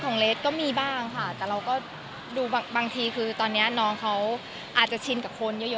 เลสก็มีบ้างค่ะแต่เราก็ดูบางทีคือตอนนี้น้องเขาอาจจะชินกับคนเยอะ